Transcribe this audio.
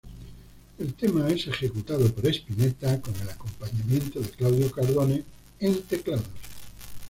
El tema es ejecutado por Spinetta con el acompañamiento de Claudio Cardone en teclados.